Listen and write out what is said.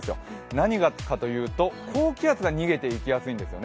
何がかというと、高気圧が逃げていきやすいんですよね。